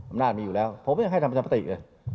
อำนาจมีอยู่แล้วผมยังให้ทำประชามติเลย